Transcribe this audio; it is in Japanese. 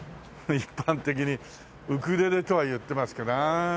一般的にウクレレとは言ってますけど。